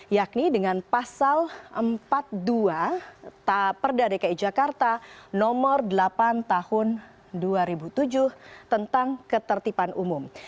yakni dengan pasal empat puluh dua taperda dki jakarta nomor delapan tahun dua ribu tujuh tentang ketertiban umum